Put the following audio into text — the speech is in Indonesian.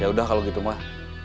ya udah kalau gitu mah